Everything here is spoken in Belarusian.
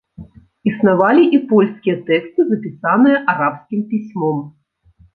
Існавалі і польскія тэксты, запісаныя арабскім пісьмом.